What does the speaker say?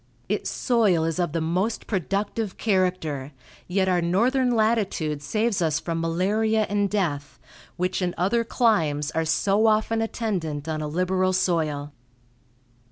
Its soil is of the most productive character, yet our northern latitude saves us from malaria and death, which in other climes are so often attendant on a liberal soil.